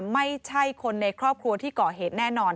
ไม่ใช่คนในครอบครัวที่ก่อเหตุแน่นอน